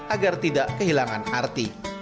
agar tidak kehilangan arti